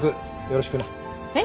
よろしく。